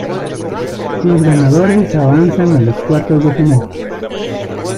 Los ganadores avanzan a los cuartos de final.